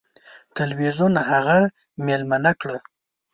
تلویزیون هغه میلمنه کړه.